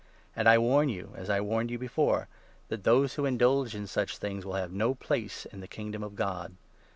And I warn you, as I warned you before, that those who indulge in such things will have no place in the Kingdom of God.